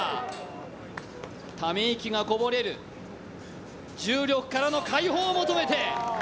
ため息がこぼれる、重力からの解放を求めて。